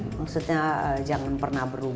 maksudnya jangan pernah berubah